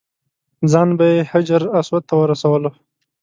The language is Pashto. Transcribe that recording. ځان به یې حجر اسود ته ورسولو.